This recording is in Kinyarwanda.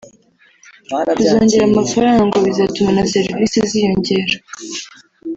Kuzongera amafaranga ngo bizatuma na serivisi ziyongera